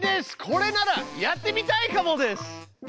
これならやってみたいかもです。